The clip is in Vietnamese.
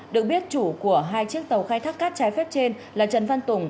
được biết chủ của hai chiếc tàu khai thác cát trái phép trên là trần văn tùng